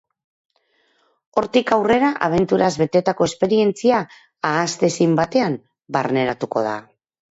Hortik aurrera abenturaz betetako esperientzia ahaztezin batean barneratuko da.